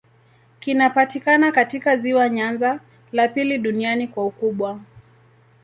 Kinapatikana katika ziwa Nyanza, la pili duniani kwa ukubwa.